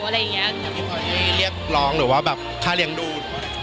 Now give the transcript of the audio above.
พี่พลอยจะให้เรียกร้องหรือว่าแบบคาเรียงดู